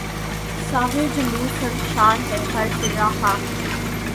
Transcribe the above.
ساغر جلوۂ سرشار ہے ہر ذرۂ خاک